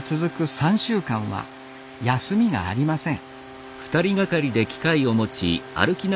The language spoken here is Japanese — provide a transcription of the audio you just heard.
３週間は休みがありません